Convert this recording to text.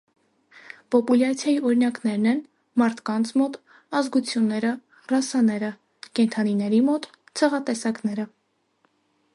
Պոպուլյացիայի օրինակներն են՝ մարդկանց մոտ՝ ազգությունները, ռասաները, կենդանիների մոտ՝ ցեղատեսակները։